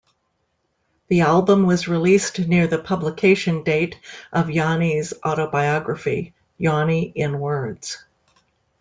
The album was released near the publication date of Yanni's autobiography, Yanni in Words.